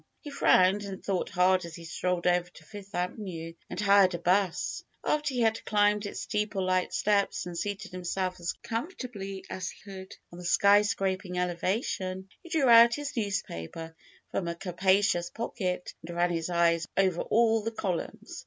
He frowned and thought hard as he strolled over to Fifth Avenue and hired a *bus. After he had climbed its steeple like steps and seated himself as comfortably as he could on the sky scraping elevation, he drew out his newspaper from a capacious pocket and ran his eyes over all the columns.